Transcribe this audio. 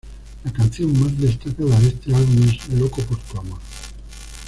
La canción más destacada de este álbum es "Loco por tu amor".